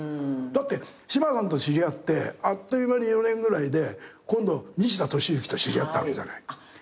だって柴さんと知り合ってあっという間に４年ぐらいで今度西田敏行と知り合ったわけじゃない。